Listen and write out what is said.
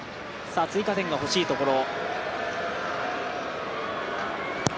追加点がほしいところ。